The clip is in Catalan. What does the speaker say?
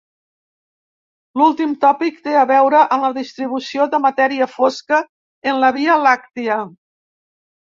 L'últim tòpic té a veure amb la distribució de matèria fosca en la Via Làctia.